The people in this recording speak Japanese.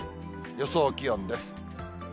予想気温です。